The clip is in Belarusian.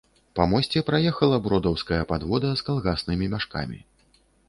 Па мосце праехала бродаўская падвода з калгаснымі мяшкамі.